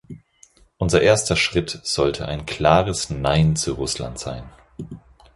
Unser erster Schritt sollte ein klares Nein zu Russland sein.